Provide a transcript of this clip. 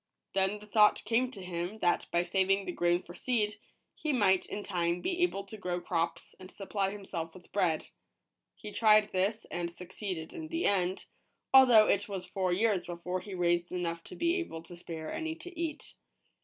Then the thought came to him, that by saving the grain for seed, he might, in time, be able to grow crops, and supply himself with bread. He tried this, and succeeded in the end ; although it was four years before he raised enough to be able to spare any to eat.